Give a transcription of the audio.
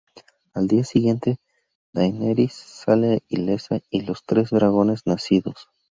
Al día siguiente Daenerys sale ilesa y con los tres dragones nacidos.